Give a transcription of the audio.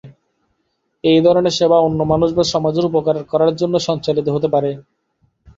এই ধরনের সেবা অন্য মানুষ বা সমাজের উপকার করার জন্য সঞ্চালিত হতে পারে।